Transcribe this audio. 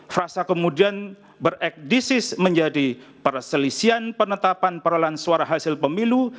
frasa kemudian berekdisis menjadi perselisian penetapan perolahan suara hasil pemilu